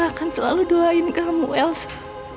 akan selalu doain kamu elsa